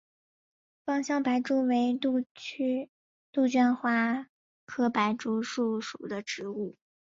芳香白珠为杜鹃花科白珠树属的植物。